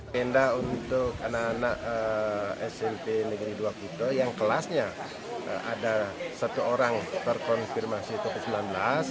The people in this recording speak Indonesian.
tenda untuk anak anak smp negeri dua kuto yang kelasnya ada satu orang terkonfirmasi covid sembilan belas